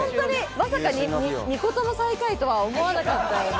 まさか２個とも最下位とは思わなかったよね。